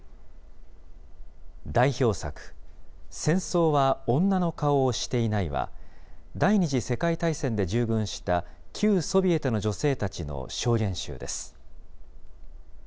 代表作、戦争は女の顔をしていないは、第２次世界大戦で従軍した旧ソビエトの女性たちの証言集です。